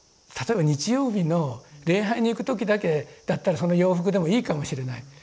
例えば日曜日の礼拝に行く時だけだったらその洋服でもいいかもしれない。